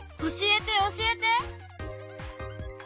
教えて教えて！